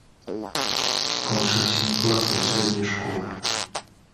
Скончыў сем класаў сярэдняй школы.